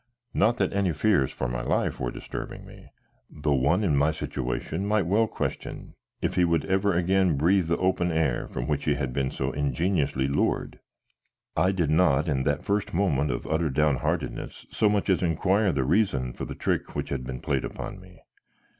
Not that any fears for my life were disturbing me, though one in my situation might well question if he would ever again breathe the open air from which he had been so ingeniously lured. I did not in that first moment of utter downheartedness so much as inquire the reason for the trick which had been played upon me.